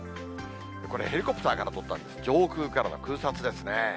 これ、ヘリコプターから撮った上空からの空撮ですね。